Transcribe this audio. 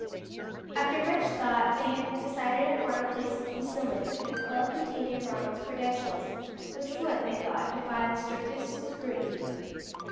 After much thought they had decided upon a place of concealment for the quill containing Ronald's credentials, which would, they thought, defy the strictest scrutiny.